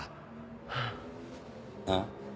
あっ？